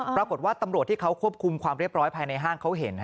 ปรากฏว่าตำรวจที่เขาควบคุมความเรียบร้อยภายในห้างเขาเห็น